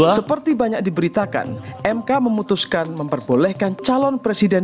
seperti banyak diberitakan mk memutuskan memperbolehkan calon presiden